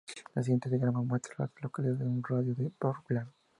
El siguiente diagrama muestra a las localidades en un radio de de Rowland.